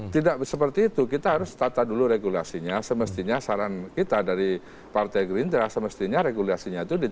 tidak seperti itu kita harus tata dulu regulasinya semestinya saran kita dari partai gerindra semestinya regulasinya itu